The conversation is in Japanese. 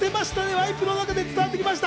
ライブの中で伝わってきました。